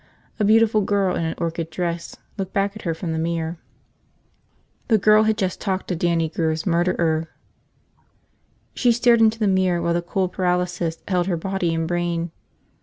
A beautiful girl in an orchid dress looked back at her from the mirror. The girl had just talked to Dannie Grear's murderer. She stared into the mirror while cold paralysis held her body and brain.